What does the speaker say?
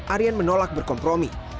aryan menolak berkompromi